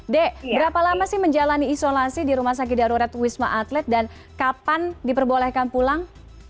dek berapa lama sih menjalani isolasi di rumah sakit darurat wisma atlet dan kapan diperbolehkan pulang